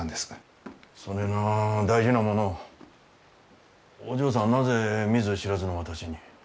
そねえな大事なものをお嬢さんはなぜ見ず知らずの私に？